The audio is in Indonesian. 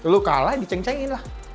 lu kalah diceng cengin lah